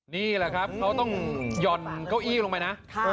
นี่แหละครับเขาต้องหย่อนเก้าอี้ลงไปนะ